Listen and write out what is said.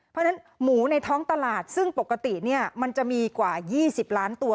เพราะฉะนั้นหมูในท้องตลาดซึ่งปกติมันจะมีกว่า๒๐ล้านตัว